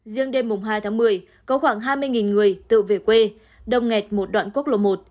riêng đêm hai tháng một mươi có khoảng hai mươi người tự về quê đông ngẹt một đoạn quốc lộ một